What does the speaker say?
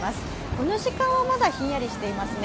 この時間はまだひんやりしていますね